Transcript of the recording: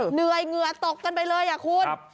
เหนื่อยเหงื่อตกกันไปเลยคุณ